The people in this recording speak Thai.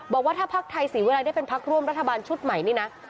บอกว่าถ้าพักไทยศรีเวลาได้เป็นพักร่วมรัฐบาลชุดใหม่นี่นะ